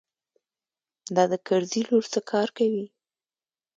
دا د کرزي لور څه کار کوي.